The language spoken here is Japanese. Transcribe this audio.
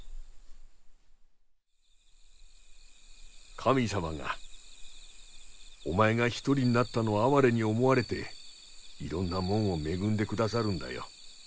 神様がお前が独りになったのを哀れに思われていろんなもんを恵んで下さるんだよ。